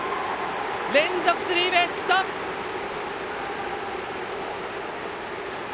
連続スリーベースヒット！